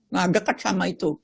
nah deket sama itu